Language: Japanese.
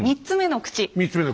３つ目の口。